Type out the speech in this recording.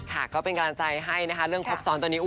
ค่ะก็เป็นการใจให้เรื่องครบซ้อนตอนนี้